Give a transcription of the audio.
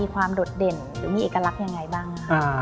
มีความดดเด่นหรือมีเอกลักษณ์อย่างไรบ้างครับ